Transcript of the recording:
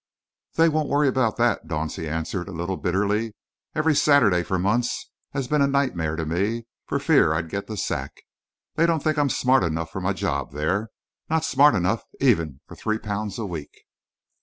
"They won't worry about that," Dauncey answered, a little bitterly. "Every Saturday for months has been a nightmare to me, for fear I'd get the sack. They don't think I'm smart enough for my job there not smart enough even for three pounds a week!"